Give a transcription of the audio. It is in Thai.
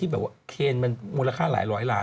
เมาส่วนราคาหลายร้อยล้าน